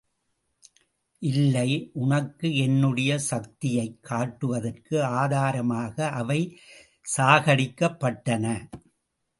இல்லை, உனக்கு என்னுடைய சக்தியைக் காட்டுவதற்கு ஆதாரமாக அவை சாகடிக்கப்பட்டன.